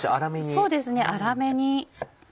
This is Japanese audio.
そうですね粗めに。